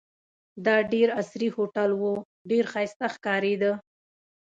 دا ډېر عصري هوټل وو، ډېر ښایسته ښکارېده.